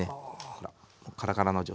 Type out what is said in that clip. ほらカラカラの状態。